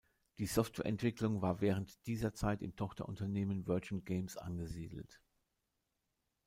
Die Softwareentwicklung war während dieser Zeit im Tochterunternehmen Virgin Games angesiedelt.